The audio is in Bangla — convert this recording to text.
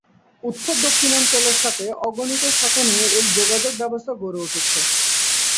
উত্তর-দক্ষিণাঞ্চলের সাথে অগণিত শাখা নিয়ে এর যোগাযোগ ব্যবস্থা গড়ে উঠেছে।